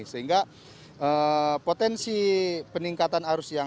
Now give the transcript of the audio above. sehingga potensi peningkatan arus yang